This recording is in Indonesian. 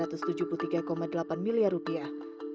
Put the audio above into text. atau sekitar empat puluh delapan miliar rupiah